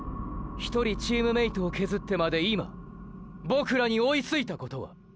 １人チームメイトを削ってまで今ボクらに追いついたことは。